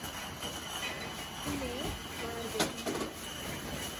Hûn ê bar bikin.